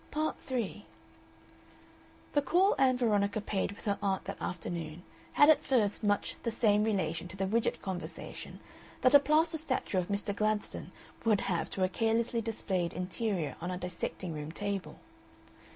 Part 3 The call Ann Veronica paid with her aunt that afternoon had at first much the same relation to the Widgett conversation that a plaster statue of Mr. Gladstone would have to a carelessly displayed interior on a dissecting room table.